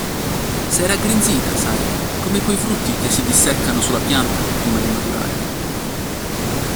S'è raggrinzita, sai, come quei frutti che si disseccano sulla pianta prima di maturare.